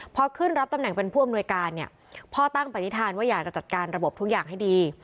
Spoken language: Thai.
พอขึ้นรับตำแหน่งเป็นผู้อำนวยการเนี่ยพ่อตั้งปฏิฐานว่าอยากจะจัดการระบบทุกอย่างให้ดี